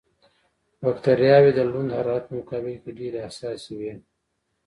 بکټریاوې د لوند حرارت په مقابل کې ډېرې حساسې وي.